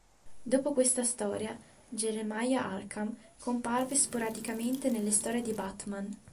Dopo questa storia, Jeremiah Arkham comparve sporadicamente nelle storie di Batman.